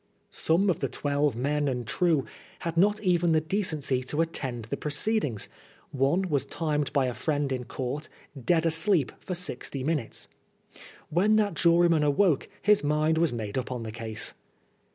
Some of the " twelve men and true " had not even the decency to attend to the proceedings. One was timed by a friend in court— dead asleep for sixty minutes. When that juryman awoke his mind was made up on the case.